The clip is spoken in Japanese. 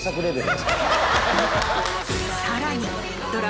さらに。